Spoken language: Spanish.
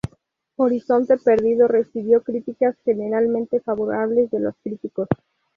Horizonte Perdido recibió críticas generalmente favorables de los críticos.